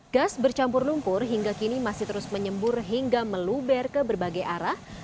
gas bercampur lumpur hingga kini masih terus menyembur hingga meluber ke berbagai arah